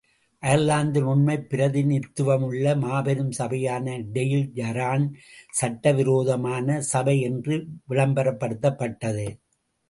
அயர்லாந்தின் உண்மைப் பிரதிநிதித்துவமுள்ள மாபெரும் சபையான tail iron சட்டவிரோதமான சபை என்று விளம்பரப்படுத்தப்பட்டது!